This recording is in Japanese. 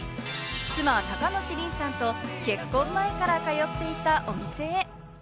妻・高梨臨さんと結婚前から通っていたお店へ。